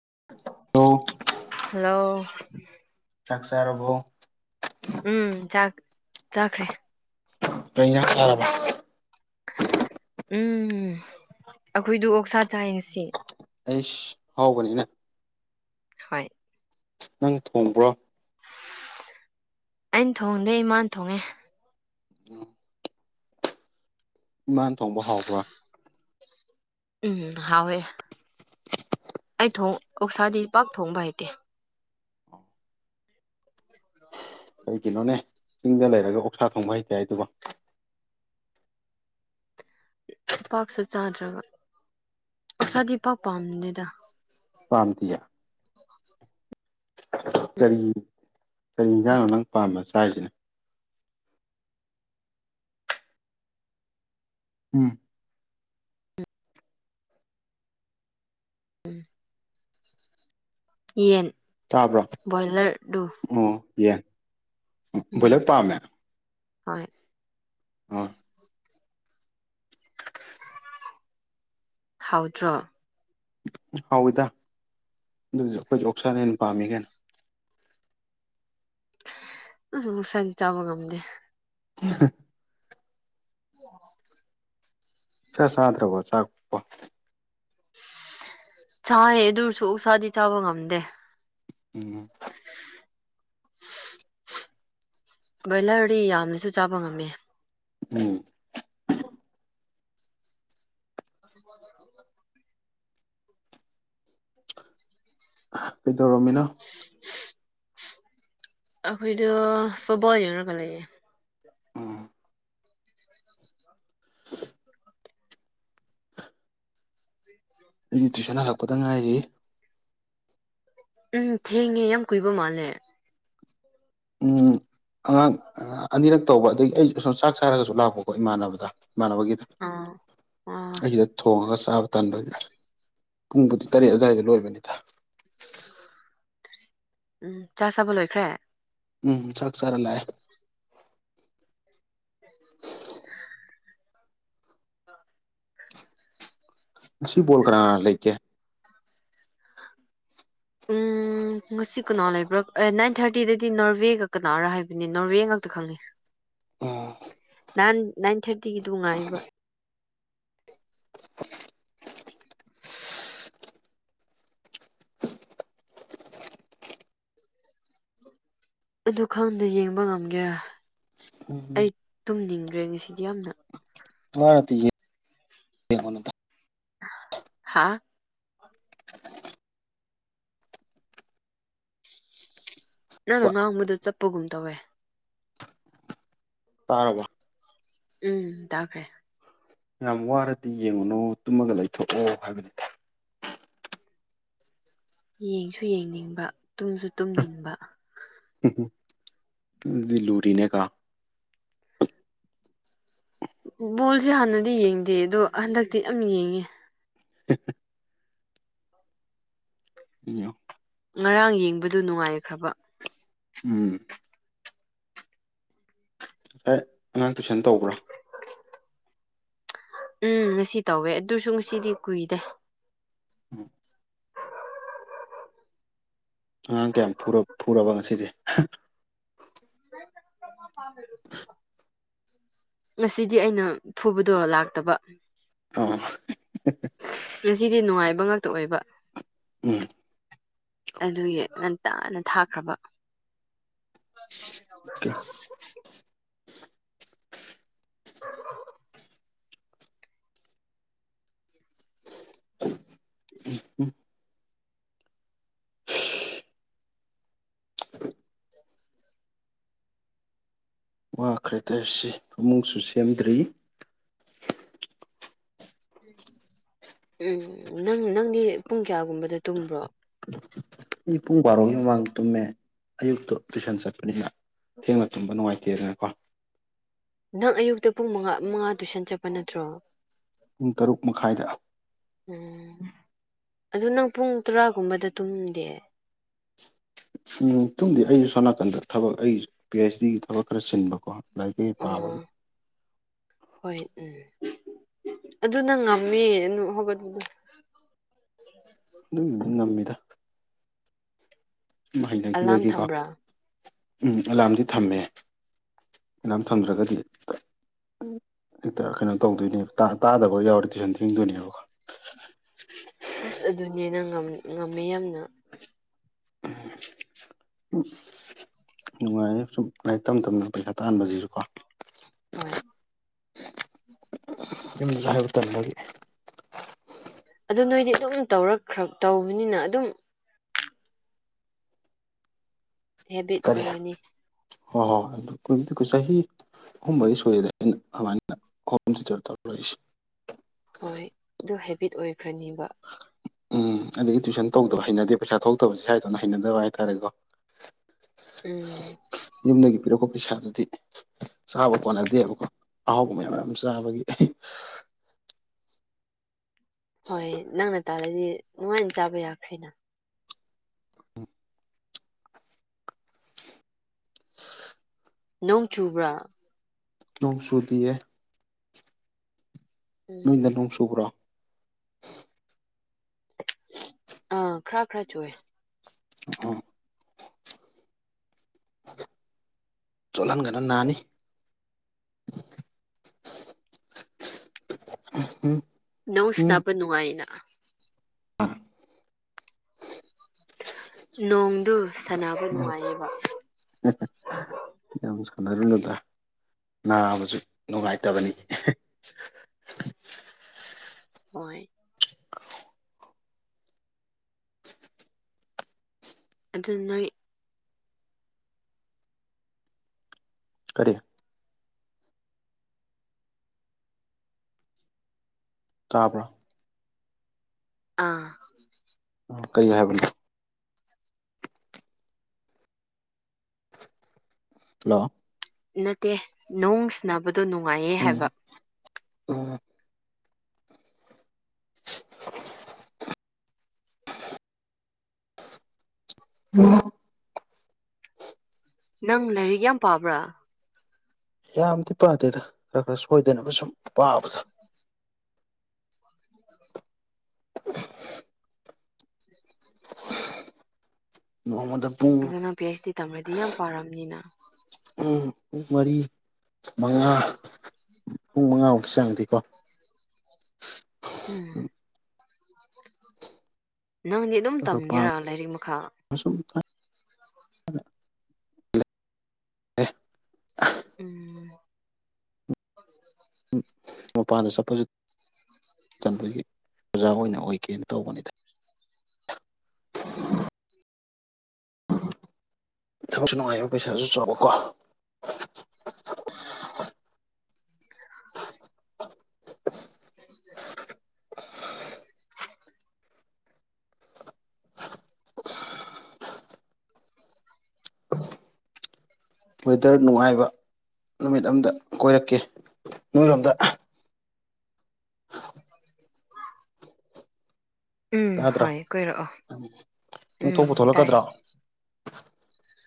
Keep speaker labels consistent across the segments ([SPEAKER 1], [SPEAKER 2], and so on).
[SPEAKER 1] ꯇ
[SPEAKER 2] ꯍꯜꯂꯣ
[SPEAKER 1] ꯁꯛꯁꯔꯕꯨꯣ
[SPEAKER 2] ꯎꯝ ꯆꯥꯛ ꯆꯥꯈ꯭ꯔꯦ
[SPEAKER 1] ꯀ ꯁꯔꯥꯕ
[SPEAKER 2] ꯎꯝ ꯑꯩꯈꯣꯏꯗꯨ ꯑꯣꯛꯁꯥ ꯆꯥꯏꯁꯤ
[SPEAKER 1] ꯑꯩ ꯍꯥꯎꯕꯅꯤꯅ
[SPEAKER 2] ꯍꯣꯏ
[SPEAKER 1] ꯅꯪ ꯊꯣꯡꯕ꯭ꯔꯣ
[SPEAKER 2] ꯑꯩꯅ ꯊꯣꯡꯗꯦ ꯏꯃꯥꯅ ꯊꯣꯡꯉꯦ
[SPEAKER 1] ꯎꯝ ꯏꯃꯥꯟ ꯊꯣꯡꯕ ꯍꯥꯎꯕ꯭ꯔꯥ
[SPEAKER 2] ꯎꯝ ꯍꯦ ꯑꯩ ꯊꯣꯡ ꯑꯣꯛꯁꯥꯗꯤ ꯄꯥꯛ ꯊꯣꯡꯕ ꯍꯇꯦ
[SPEAKER 1] ꯀꯔꯤꯒꯤꯅꯣꯅꯦ ꯆꯤꯡꯗ ꯂꯩꯔꯒ ꯑꯣꯛꯁꯥ ꯊꯣꯡꯕ ꯍꯩꯇꯦ ꯑꯗꯨ
[SPEAKER 2] ꯄꯥꯛꯁꯨ ꯆꯥꯗ꯭ꯔꯕ ꯑꯣꯁꯥꯗꯤ ꯄꯥꯛ ꯄꯥꯝꯗꯦꯗ
[SPEAKER 1] ꯄꯥꯝꯇꯌꯥ ꯀꯔꯤ ꯀꯔꯤ ꯌꯦꯟꯁꯥꯡꯅꯣ ꯅꯪ ꯄꯥꯃꯦ ꯆꯥꯔꯤꯁꯤꯅ ꯎꯝ
[SPEAKER 2] ꯎꯝ ꯌꯦꯟ ꯕꯣꯌꯂꯔꯗꯨ
[SPEAKER 1] ꯌꯦ ꯐꯕꯂꯞ ꯄꯥꯝꯃꯦ
[SPEAKER 2] ꯍꯣꯏ
[SPEAKER 1] ꯍ
[SPEAKER 2] ꯍꯧꯥꯎꯗ꯭ꯔꯣ
[SPEAKER 1] ꯍꯥꯎꯋꯤꯗ ꯑꯗꯨꯁꯨ ꯑꯩꯈꯣꯏꯁꯨ ꯑꯣꯛꯁꯥꯅ ꯍꯦꯟꯅ ꯄꯥꯝꯃꯤ ꯀꯦꯅ
[SPEAKER 2] ꯎ ꯃꯨꯁꯥꯗꯤ ꯇꯥꯕ ꯉꯝꯗꯦ
[SPEAKER 1] [unintelligible]
[SPEAKER 2] ꯑꯣ
[SPEAKER 1] ꯁꯥꯇ꯭ꯔꯒꯣ ꯆꯥꯛꯄ
[SPEAKER 2] ꯆꯥꯦ ꯑꯗꯨꯁꯨ ꯁꯥꯥꯗꯤ ꯆꯥꯕ ꯉꯝꯗꯦ
[SPEAKER 1] ꯎꯝ
[SPEAKER 2] [unintelligible] ꯕ꯭ꯔꯣꯏꯂꯔꯗꯤ ꯌꯥꯝꯅꯁꯨ ꯆꯥꯕ ꯉꯝꯃꯦ
[SPEAKER 1] ꯎꯝ ꯀꯩꯗꯧꯔꯝꯃꯤꯅꯣ
[SPEAKER 2] ꯑꯩꯈꯣꯏꯗꯣ ꯐꯨꯠꯕꯣꯜ ꯌꯦꯡꯅ ꯈ ꯂꯩꯦ
[SPEAKER 1] ꯎꯝ [unintelligible] ꯑꯩꯒꯤ ꯇ꯭ꯨꯏꯁꯟ ꯍꯜꯂꯛꯄꯗ ꯉꯥꯏꯔꯤ
[SPEAKER 2] ꯎꯝ ꯊꯦꯡꯉꯦ ꯌꯥꯝ ꯀꯨꯏꯕ ꯃꯥꯜꯂꯦ
[SPEAKER 1] ꯎ ꯑꯉꯥꯡ ꯑꯅꯤꯔꯛ ꯇꯧꯕ ꯑꯗꯒꯤ ꯑꯩ ꯁꯁꯨꯝ ꯆꯥꯛ ꯆꯥꯔꯒꯁꯨ ꯂꯥꯛꯄꯀꯣ ꯏꯃꯥꯟꯅꯕꯗ ꯏꯃꯥꯟꯅꯕꯒꯤꯗ
[SPEAKER 2] ꯑꯥ ꯑꯥ
[SPEAKER 1] ꯑꯩꯗ ꯊꯣꯡꯉꯒ ꯆꯥꯕ ꯇꯥꯟꯕꯒꯤ ꯄꯨꯡꯕꯨꯗꯤ ꯇꯔꯦꯠ ꯑꯗꯨꯋꯥꯏꯗ ꯂꯣꯏꯕꯅꯤꯗ
[SPEAKER 2] ꯎꯝ ꯆꯥ ꯆꯕ ꯂꯣꯏꯈ꯭ꯔꯦ
[SPEAKER 1] ꯎꯝ ꯁꯥꯛ ꯁꯔ ꯂꯑ ꯁꯤ ꯣꯜ ꯀꯥ ꯂꯩꯀꯦ
[SPEAKER 2] ꯎꯝ ꯉꯁꯤ ꯀꯅꯣ ꯂꯩꯕ꯭ꯔꯣ ꯊꯥꯔꯇꯤꯗꯗꯤ ꯅꯣꯔꯋꯦꯒꯛ ꯀꯅꯥꯔ ꯍꯥꯏꯕꯅꯦ ꯅꯣꯔꯋꯦ ꯉꯥꯛꯇ ꯈꯪꯉꯦ
[SPEAKER 1] ꯑ
[SPEAKER 2] ꯅꯥꯏꯟ ꯅꯥꯏꯟ ꯊꯥꯔꯇꯤꯒꯤ ꯉꯥꯏꯕ ꯑꯗꯨ ꯈꯪꯗ ꯌꯦꯡꯕ ꯉꯝꯒꯦꯔꯥ ꯑꯩ ꯇꯨꯝꯅꯤꯡ ꯍ꯭ꯔꯦꯡ ꯉꯁꯤꯗꯤ ꯌꯥꯝꯅ
[SPEAKER 1] ꯚꯔ ꯌꯦꯅ
[SPEAKER 2] ꯍꯥꯥ ꯅꯪꯅ ꯉꯥꯡꯕꯗ ꯆꯠꯄꯒꯨꯝ ꯇꯧꯋꯦ
[SPEAKER 1] ꯇꯥꯔꯔꯕ
[SPEAKER 2] ꯎꯝ ꯇꯥꯛꯈ꯭ꯔꯦ
[SPEAKER 1] ꯌꯥꯝ ꯋꯥꯔꯗꯤ ꯌꯦꯡꯉꯨꯅꯨ ꯇꯨꯝꯃꯒ ꯂꯩꯊꯣꯛꯑꯣ ꯍꯥꯏꯕꯅꯤ
[SPEAKER 2] ꯌꯦꯡꯁꯨ ꯌꯦꯡꯅꯤꯡꯕ ꯇꯨꯝꯁꯨ ꯇꯨꯝꯅꯤꯡꯕ
[SPEAKER 1] ꯗꯤ ꯂꯨꯔꯤꯅꯦ ꯀ
[SPEAKER 2] ꯕꯣꯜꯁꯦ ꯍꯥꯟꯅꯗꯤ ꯌꯦꯡꯗꯦ ꯑꯗꯣ ꯍꯟꯗꯛꯇꯤ ꯌꯥꯝ ꯌꯦꯡꯉꯦ
[SPEAKER 1] [unintelligible] ꯑꯣ
[SPEAKER 2] ꯉꯔꯥꯡ ꯌꯦꯡꯕꯗꯨ ꯅꯨꯡꯉꯥꯏꯈ꯭ꯔꯕ
[SPEAKER 1] ꯎꯝ ꯉꯁꯥꯏ ꯑꯉꯥꯡ ꯇꯨꯏꯁꯟ ꯇꯧꯕ꯭ꯔꯥ
[SPEAKER 2] ꯎꯝ ꯉꯁꯤ ꯇꯧꯋꯦ ꯑꯗꯨꯁꯨ ꯉꯁꯤꯗꯤ ꯀꯨꯏꯗꯦ
[SPEAKER 1] ꯎꯝ ꯑꯉꯥꯡ ꯀꯌꯥꯝ ꯐꯨꯔꯕ ꯉꯁꯤꯗꯤ
[SPEAKER 2] ꯉꯁꯤꯗꯤ ꯑꯩꯅ ꯊꯨꯕꯗꯣ ꯂꯥꯛꯇꯕ
[SPEAKER 1] ꯑꯣ
[SPEAKER 2] ꯉꯁꯤꯗꯤ ꯅꯨꯡꯉꯥꯏꯕ ꯉꯥꯛꯇ ꯑꯣꯏꯕ
[SPEAKER 1] ꯎꯝ
[SPEAKER 2] ꯑꯗꯨꯒꯤ ꯉꯟꯇꯥꯅ ꯊꯥꯈ꯭ꯔꯕ [unintelligible] [unintelligible]
[SPEAKER 1] ꯎ ꯋꯥꯈ꯭ꯔꯦ ꯇꯁꯤ ꯑꯃꯨꯛꯁꯨ ꯁꯦꯝꯗ꯭ꯔꯤ
[SPEAKER 2] ꯎꯝ ꯅꯪ ꯅꯪꯗꯤ ꯄꯨꯡ ꯀꯌꯥꯒꯨꯝꯕꯗ ꯇꯨꯝꯕ꯭ꯔꯣ
[SPEAKER 1] ꯑꯩ ꯄꯨꯡ ꯕꯥꯔꯣꯒꯤ ꯃꯃꯥꯡ ꯇꯨꯝꯃꯦ ꯑꯌꯨꯛꯇꯣ ꯇꯨꯏꯁꯟ ꯆꯠꯄꯅꯤꯅ ꯊꯦꯡꯂ ꯇꯨꯝꯕ ꯅꯨꯡꯉꯥꯏꯇꯦ ꯑꯗꯨꯅꯀꯣ
[SPEAKER 2] ꯅꯪ ꯑꯌꯨꯛꯇ ꯄꯨꯡ ꯃꯉꯥ ꯃꯉꯥ ꯇꯨꯏꯁꯟ ꯆꯠꯄ ꯅꯠꯇ꯭ꯔꯣ
[SPEAKER 1] ꯄꯨꯡ ꯇꯔꯨꯛ ꯃꯈꯥꯏꯗ
[SPEAKER 2] ꯎꯝ ꯑꯗꯨ ꯅꯪ ꯄꯨꯡ ꯇꯔꯥꯒꯨꯝꯕꯗ ꯇꯨꯝꯗꯦ
[SPEAKER 1] ꯃꯇꯨꯡꯨꯡꯗꯤ ꯑꯩꯁꯨ ꯁꯣꯝꯅꯥꯀꯟꯗ ꯊꯕꯛ ꯑꯩ ꯄꯤ ꯑꯩꯆ ꯗꯤꯒꯤ ꯊꯕꯛ ꯈꯔ ꯁꯤꯟꯕꯀꯣ ꯂꯥꯏꯒꯤ ꯄꯥꯕꯒꯦ
[SPEAKER 2] ꯑꯣ ꯑꯗꯨꯅ ꯉꯝꯃꯦ ꯍꯧꯒꯠꯄꯗ
[SPEAKER 1] ꯑꯗꯨꯒꯤꯗꯤ [unintelligible] ꯁꯨꯝ
[SPEAKER 2] ꯑꯂꯥꯔꯝ
[SPEAKER 1] ꯍꯩꯅꯈꯤꯕꯒꯤꯀꯣ
[SPEAKER 2] ꯊꯝꯕ꯭ꯔꯥ
[SPEAKER 1] ꯎꯝ ꯑꯦꯂꯥꯝꯁꯦ ꯊꯝꯃꯦ ꯏꯝ ꯊꯝꯗ꯭ꯔꯒꯗꯤ ꯍꯦꯛꯇ ꯀꯩꯅꯣ ꯇꯧꯗꯣꯏꯅꯦꯕ ꯇꯥꯗꯕ ꯌꯥꯎꯔꯦ ꯇꯨꯏꯁꯟ ꯊ ꯍꯤꯡꯗꯣꯏꯅꯦꯕꯀꯣ
[SPEAKER 2] ꯑꯕꯁ ꯑꯗꯨꯅꯦꯅ ꯉꯝꯃꯤ ꯌꯥꯝꯅ
[SPEAKER 1] ꯎ ꯎ ꯅꯨꯡꯉꯥꯏꯌꯦ ꯁꯨꯝ ꯂꯥꯏꯔꯤꯛ ꯇꯝ ꯇꯝꯅ ꯄꯩꯁꯥ ꯇꯥꯍꯟꯕꯁꯤꯁꯨ ꯀꯣ
[SPEAKER 2] ꯍꯣꯏ
[SPEAKER 1] ꯌꯨꯝꯁꯨ ꯍꯥꯏꯕ ꯇꯝꯗꯤ
[SPEAKER 2] ꯑꯗꯨꯗꯣ ꯅꯣꯏꯗꯤ ꯑꯗꯨꯝ ꯇꯧꯔꯛꯈ꯭ꯔ ꯇꯧꯕꯅꯤꯅ ꯑꯗꯨꯝ ꯍꯦꯕꯤꯠ ꯑꯣꯏꯔꯅꯤ
[SPEAKER 1] ꯑꯣ ꯍ ꯑꯗꯨ ꯑꯗꯨ ꯀꯗꯤ ꯀꯁ ꯍ ꯑꯨꯝ ꯃꯔꯤ ꯁꯣꯏꯔꯦꯗ ꯑꯩꯅ ꯑꯗꯨꯃꯥꯏꯅ ꯍꯣꯇꯔ ꯇꯧꯔ ꯂꯁꯤ
[SPEAKER 2] ꯍꯣꯏ ꯑꯗꯨ ꯍꯦꯕꯤꯠ ꯑꯣꯏꯈ꯭ꯔꯅꯦꯕ
[SPEAKER 1] ꯎꯝ ꯑꯗꯒꯤ ꯇꯨꯋꯏꯁꯟ ꯇꯧꯗꯕ ꯍꯩꯅꯗꯦ ꯄꯩꯁꯥ ꯊꯣꯛꯇꯕꯁꯦ ꯁꯥꯏꯗꯧꯅ ꯍꯩꯅꯗꯕ ꯍꯥꯏꯇꯥꯔꯦꯀꯣ
[SPEAKER 2] ꯎꯝ
[SPEAKER 1] ꯆꯟꯅꯒꯤ ꯄꯤꯔꯛꯀꯣ ꯄꯩꯁꯥꯗꯨꯗꯤ ꯆꯥꯕ ꯀꯣꯟꯅꯗꯦꯕꯀꯣ ꯑꯥꯎꯒ ꯃꯝ ꯆꯕꯒꯤ
[SPEAKER 2] ꯍꯣꯏ ꯅꯪꯅ ꯇꯥꯔꯗꯤ ꯅꯨꯡꯉꯥꯏꯅ ꯆꯥꯕ ꯌꯥꯈ꯭ꯔꯦꯅ
[SPEAKER 1] [unintelligible]
[SPEAKER 2] ꯅꯣꯡ ꯆꯨꯕ꯭ꯔꯥ
[SPEAKER 1] ꯇꯨꯡ ꯁꯨꯗꯤꯑ ꯅꯣꯏꯗ
[SPEAKER 2] ꯎꯝ
[SPEAKER 1] ꯅꯣꯡ ꯁꯨꯕ꯭ꯔꯣ
[SPEAKER 2] ꯑꯥ ꯈꯔ ꯈꯔ ꯆꯨꯑꯦ
[SPEAKER 1] ꯑ ꯆꯂꯥꯟ ꯀꯩꯅꯣ ꯅꯅꯤ ꯎꯝ
[SPEAKER 2] ꯅꯧꯁ ꯅꯄ ꯅꯨꯡꯉꯥꯏꯅ
[SPEAKER 1] ꯑꯥ
[SPEAKER 2] ꯅꯣꯡꯣꯡꯗꯨ
[SPEAKER 1] ꯎ ꯌꯥꯝ ꯁꯅꯔꯂꯗ ꯅꯥꯕꯁꯨ ꯅꯨꯡꯉꯥꯏꯇꯕꯅꯤ
[SPEAKER 2] ꯍꯣꯏ
[SPEAKER 1] [unintelligible]
[SPEAKER 2] ꯑꯗꯨꯗ ꯅꯣꯏ
[SPEAKER 1] ꯀꯔꯤꯦ ꯇꯥꯕ꯭ꯔꯥ
[SPEAKER 2] ꯑꯥ
[SPEAKER 1] ꯀꯔꯤꯣ ꯍꯥꯏꯕꯅꯣ ꯍꯜꯂꯣ
[SPEAKER 2] ꯅꯠꯇꯦ ꯅꯣꯡ ꯁꯕꯗꯣ ꯅꯨꯡꯉꯥꯏꯌꯦ ꯍꯥꯏꯕ
[SPEAKER 1] ꯑꯣ ꯑ
[SPEAKER 2] ꯅꯪ ꯂꯥꯏꯔꯤꯛ ꯌꯥꯝ ꯄꯥꯕ꯭ꯔꯥ
[SPEAKER 1] ꯌꯥꯝꯗꯤ ꯄꯥꯗꯦꯗ ꯈꯔ ꯈꯔ ꯁꯣꯏꯗꯅꯕ ꯁꯨꯝ ꯄꯥꯕꯗ
[SPEAKER 2] [unintelligible]
[SPEAKER 1] [unintelligible] ꯃꯣꯍ
[SPEAKER 2] ꯑꯗꯨꯅꯪ ꯄꯤ ꯑꯩꯆ ꯗꯤ ꯇꯝꯂꯗꯤ ꯌꯥꯝ ꯄꯥꯝꯅꯤꯅ
[SPEAKER 1] ꯎꯝ ꯄꯨꯡ ꯃꯔꯤ ꯃꯉꯥ ꯄꯨꯡ ꯃꯉꯥꯃꯨꯛꯀꯤ ꯆꯪꯗꯦꯀꯣ
[SPEAKER 2] ꯎꯝ ꯅꯪꯗꯤ ꯑꯗꯨꯝ
[SPEAKER 1] ꯈꯔ
[SPEAKER 2] ꯇꯝꯒꯦꯔꯥ ꯂꯥꯏꯔꯤꯛ ꯃꯈꯥ
[SPEAKER 1] ꯑꯗ ꯑꯦ
[SPEAKER 2] ꯎꯝ
[SPEAKER 1] ꯃꯄꯥꯟꯗ ꯆꯠꯄꯁꯨ ꯆꯟꯗꯣꯏꯒꯤ ꯑꯣꯖꯥ ꯑꯣꯏꯅ ꯑꯣꯏꯒꯦꯅ ꯇꯧꯕꯅꯤꯗ [unintelligible] ꯊꯕꯛꯁꯨ ꯅꯨꯡꯉꯥꯏꯕ ꯄꯩꯁꯥꯁꯨ ꯆꯥꯎꯕꯀꯣ [unintelligible]
[SPEAKER 2] ꯎ [unintelligible] [unintelligible]
[SPEAKER 1] ꯋꯦꯗꯔ ꯅꯨꯡꯉꯥꯏꯕ ꯅꯨꯃꯤꯠ ꯑꯝꯗ ꯀꯣꯏꯔꯛꯀꯦ ꯅꯣꯏꯔꯣꯝꯗ
[SPEAKER 2] [unintelligible] ꯎꯝ
[SPEAKER 1] ꯇꯥꯗ꯭ꯔꯣ
[SPEAKER 2] ꯍꯣꯏ ꯀꯣꯏꯔꯛꯑꯣ
[SPEAKER 1] ꯅꯪ
[SPEAKER 2] ꯎꯝ
[SPEAKER 1] ꯊꯣꯛꯄꯨ
[SPEAKER 2] ꯇꯥꯏ
[SPEAKER 1] ꯊꯣꯛꯂꯛꯀꯗ꯭ꯔꯣ [inaudible]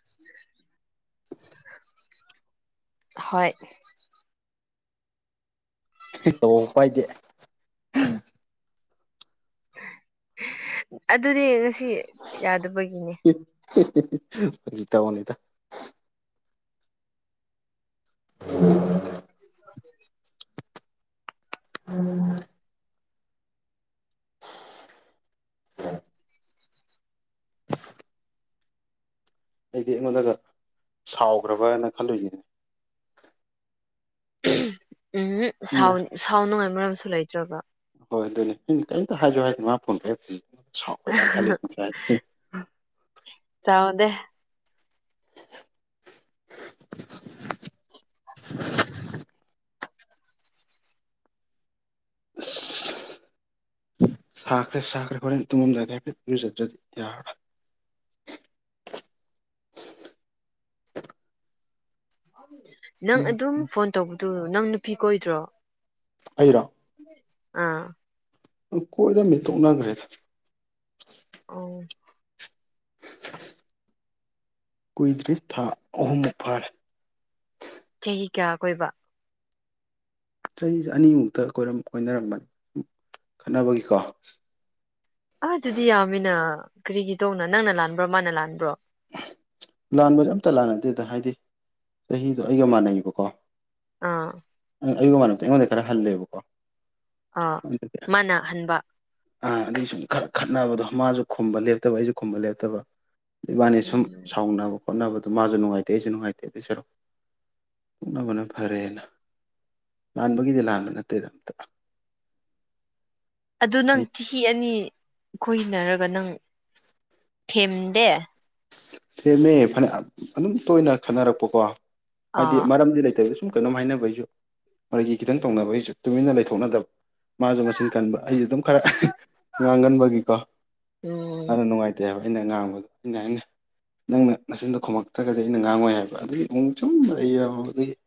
[SPEAKER 2] ꯍꯣꯏ
[SPEAKER 1] ꯑꯣꯄꯥꯏꯗꯦ
[SPEAKER 2] ꯑꯗꯨꯗꯤ ꯉꯁꯤ ꯌꯥꯗꯕꯒꯤꯅꯦ
[SPEAKER 1] ꯒꯤꯇꯕꯨꯅꯤꯗ ꯎ
[SPEAKER 2] [inaudible]
[SPEAKER 1] ꯎꯝ ꯑꯩꯗꯤ ꯑꯩꯉꯣꯟꯗꯒ ꯁꯥꯎꯈ꯭ꯔꯕꯅ ꯈꯜꯂꯨꯁꯤꯅꯦ ꯑꯩꯅ
[SPEAKER 2] ꯎꯝ ꯁꯥꯎ ꯉꯥꯏ ꯃꯔꯝꯁꯨ ꯂꯩꯇ꯭ꯔꯕ
[SPEAKER 1] ꯍꯣꯏ ꯑꯗꯨꯅꯦ ꯀꯔꯤꯝꯇ ꯍꯥꯏꯖꯣ ꯍꯥꯏꯗꯅ ꯃꯥ ꯐꯣꯟ ꯄꯦꯞꯦ ꯁꯋꯥꯣꯏꯗ ꯈ ꯂꯩꯦ ꯆꯦ
[SPEAKER 2] ꯁꯥꯎꯗꯦ
[SPEAKER 1] ꯑ ꯁꯥꯀ꯭ꯔꯦ ꯁꯥꯈ꯭ꯔꯦ ꯍꯣꯔꯦꯟ ꯇꯨꯃꯝꯗꯏ ꯍꯥꯏꯦ ꯌꯔꯖꯗ꯭ꯔꯗꯤ ꯌꯥꯔꯔ [inaudible]
[SPEAKER 2] ꯅꯪ
[SPEAKER 1] ꯎꯝ
[SPEAKER 2] ꯑꯗꯨꯝ ꯐꯣꯟ ꯇꯧꯕꯗꯨ ꯅꯪ ꯅꯨꯄꯤ ꯀꯣꯏꯗ꯭ꯔꯣ
[SPEAKER 1] ꯑꯩꯔꯣ
[SPEAKER 2] ꯑꯥ
[SPEAKER 1] ꯀꯣꯏꯔꯝꯃꯤ ꯇꯣꯛꯅꯈ꯭ꯔꯦ
[SPEAKER 2] ꯑꯣ
[SPEAKER 1] ꯀꯨꯏꯗ꯭ꯔꯤꯁ ꯊꯥ ꯑꯍꯨꯝ ꯐꯔ
[SPEAKER 2] ꯆꯍꯤ ꯀꯌꯥ ꯀꯣꯏꯕ
[SPEAKER 1] ꯆꯍꯤꯁ ꯑꯅꯤꯃꯨꯛꯇ ꯀꯣꯏꯅꯔꯝꯕꯅꯤ ꯈꯠꯅꯕꯒꯤꯀꯣ
[SPEAKER 2] ꯑ ꯑꯗꯨꯗꯤ ꯌꯥꯝꯃꯤꯅ ꯀꯔꯤꯒꯤꯗꯧꯅꯣ ꯅꯪꯅ ꯂꯥꯟꯕ꯭ꯔꯣ ꯃꯥꯅ ꯂꯥꯟꯕ꯭ꯔꯣ
[SPEAKER 1] ꯂꯥꯟꯕꯁꯦ ꯑꯝꯇ ꯂꯥꯟꯅꯗꯦꯗ ꯍꯥꯏꯗꯤ ꯆꯍꯤꯗꯣ ꯑꯩꯒ ꯃꯥꯟꯅꯩꯌꯦꯕꯀꯣ
[SPEAKER 2] ꯑꯥ
[SPEAKER 1] ꯑꯩꯒꯤ ꯃꯔꯝꯛꯇ ꯑꯩꯉꯣꯟꯗ ꯈꯔ ꯍꯂꯦꯕꯀꯣ
[SPEAKER 2] ꯑꯥ ꯃꯥꯅꯍꯟꯕ
[SPEAKER 1] ꯑꯥ ꯑꯗꯨꯒꯤ ꯁꯨꯝ ꯈꯔ ꯈꯠꯅꯕꯗꯣ ꯃꯥꯁꯨ ꯈꯨꯝꯕ ꯂꯦꯞꯇꯕ ꯑꯩꯁꯨ ꯈꯨꯝꯕ ꯂꯦꯞꯇꯕ ꯑꯗꯩ ꯏꯕꯥꯅꯤ ꯁꯨꯝ
[SPEAKER 2] ꯎꯝ
[SPEAKER 1] ꯁꯥꯎꯅꯕ ꯈꯣꯠꯅꯕꯗꯣ ꯃꯥꯁꯨ ꯅꯨꯡꯉꯥꯏꯇꯦ ꯑꯩꯁꯨ ꯅꯨꯡꯉꯥꯏꯇꯦ ꯑꯗꯨꯏ ꯆꯔꯣ ꯎ ꯃꯅ ꯐꯔꯦꯅ ꯂꯥꯟꯕꯒꯤꯗꯤ ꯂꯥꯟꯕ ꯅꯠꯇꯦꯗ ꯑꯝꯇ
[SPEAKER 2] ꯑꯗꯨ ꯅꯪ
[SPEAKER 1] ꯑꯩ
[SPEAKER 2] ꯆꯍꯤ ꯑꯅꯤ ꯀꯣꯏꯅꯔꯒ ꯅꯪ ꯊꯦꯝꯗꯦ
[SPEAKER 1] ꯊꯦꯝꯃꯦ ꯐꯅꯦꯛ ꯑꯗꯨꯝ ꯇꯣꯏꯅ ꯈꯟꯅꯔꯛꯄꯀꯣ ꯍꯥꯏꯗꯤ
[SPEAKER 2] ꯑꯥ
[SPEAKER 1] ꯃꯔꯝꯗꯤ ꯂꯩꯇꯕ ꯁꯨꯝ ꯀꯩꯅꯣꯝ ꯍꯥꯏꯅꯕꯩꯁꯨ ꯃꯥꯒꯤ ꯈꯤꯇꯪ ꯇꯧꯅꯕꯩꯁꯨ ꯇꯨꯃꯤꯟꯅ ꯂꯩꯊꯣꯛꯅꯗꯕ ꯃꯥꯁꯨ ꯃꯤꯟ ꯀꯟꯕ ꯑꯩꯁꯨ ꯑꯗꯨꯝ ꯈꯔ ꯉꯥꯡꯒꯟꯕꯒꯤꯀꯣ
[SPEAKER 2] ꯎꯝ
[SPEAKER 1] ꯌꯥꯝꯅ ꯅꯨꯡꯉꯥꯏꯇꯦ ꯍꯥꯏꯕ ꯑꯩꯅ ꯉꯥꯡꯕꯗꯣ ꯑꯩꯅ ꯍꯥꯏꯅꯩ ꯅꯪꯅ ꯅꯆꯤꯟꯗꯣ ꯈꯨꯝꯃꯛꯇ꯭ꯔꯒꯗꯤ ꯑꯩꯅ ꯉꯥꯡꯉꯣꯏ ꯍꯥꯏꯕ ꯑꯗꯨꯒꯤ ꯏꯨꯛ ꯁꯨꯝꯗ ꯑꯩ ꯑꯗꯨꯒꯤ [inaudible]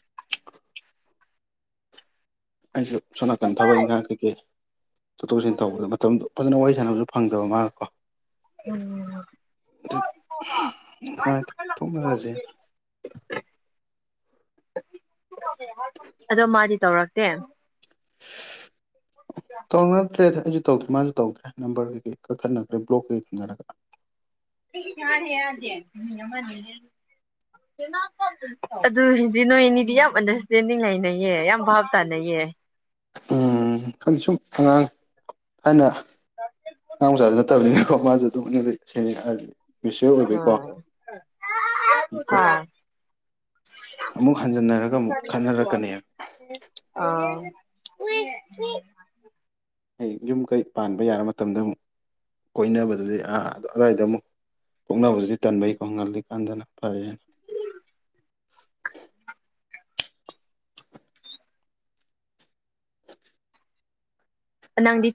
[SPEAKER 1] [inaudible] ꯑꯩꯁꯦ ꯁꯣꯝ ꯅꯥꯀꯟ ꯊꯕꯛ ꯏꯪꯈꯥꯡ ꯀꯩꯀꯩ ꯆꯠꯊꯣꯛ ꯆꯠꯁꯤꯟ ꯇꯧꯕꯗ ꯃꯇꯝꯗꯣ ꯐꯖꯅ ꯋꯥꯔꯤ ꯁꯥꯟꯅꯕꯁꯨ ꯐꯪꯗꯕ ꯃꯥꯒ ꯀꯣ
[SPEAKER 2] ꯎꯝ
[SPEAKER 1] ꯅꯨꯡꯉꯥꯏ ꯊꯣꯛꯅꯔꯁꯦ
[SPEAKER 2] ꯑꯗꯣ ꯃꯥꯗꯤ ꯇꯧꯔꯛꯇꯦ
[SPEAKER 1] ꯇꯅ ꯐꯔꯦ ꯑꯩꯁꯨ ꯇꯧꯗ꯭ꯔꯦ ꯃꯥꯁꯨ ꯇꯧꯗ꯭ꯔꯦ ꯅꯝꯕꯔ ꯀꯩ ꯀꯛꯊꯠꯅꯈ꯭ꯔꯦ ꯕ꯭ꯂꯣꯛꯀꯩ ꯊꯦꯡꯅꯔꯒ
[SPEAKER 2] ꯑꯗꯨ ꯁꯤ ꯅꯣꯏꯅꯤꯗꯤ ꯌꯥꯝ ꯑꯟꯗꯔꯁꯇꯦꯟꯗꯤꯡ ꯍꯥꯏꯅꯩꯌꯦ ꯌꯥꯝ ꯚꯥꯞ ꯇꯥꯅꯩꯌꯦ
[SPEAKER 1] ꯎꯝ ꯈ ꯁꯨꯝ ꯑꯉꯥꯡ ꯍꯥꯏꯅ ꯉ ꯃꯆꯥꯁꯨ ꯅꯠꯇꯕꯅꯤꯅꯀꯣ ꯃꯥꯁꯨ ꯑꯗꯨꯝꯗꯤ ꯃꯦꯁꯤꯌꯣꯔ
[SPEAKER 2] ꯎꯝ
[SPEAKER 1] ꯑꯣꯏꯕꯩꯀꯣꯇ
[SPEAKER 2] ꯍꯥ
[SPEAKER 1] ꯑꯃꯨꯛ ꯍꯟꯖꯤꯟꯅꯔꯒ ꯑꯃꯨꯛ ꯈꯟꯅꯔꯛꯀꯅꯦ
[SPEAKER 2] ꯍꯣꯏ
[SPEAKER 1] ꯑꯩ ꯌꯨꯝ ꯀꯩ ꯄꯥꯟꯕ ꯌꯥꯔ ꯃꯇꯝꯗ ꯑꯃꯨꯛ ꯀꯣꯏꯅꯕꯗꯗꯤ ꯑꯥ ꯑꯗꯨ ꯑꯗꯨꯋꯥꯏꯗ ꯑꯃꯨꯛ ꯄꯣꯛꯅꯕꯗꯨꯗꯤ ꯇꯟꯕꯩꯀꯣ ꯉꯜꯂꯤ ꯀꯥꯟꯗꯅ ꯐꯔꯦꯅ
[SPEAKER 2] ꯅ ꯅꯪꯗꯤ